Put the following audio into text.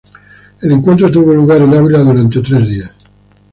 El encuentro tuvo lugar en Ávila durante tres días.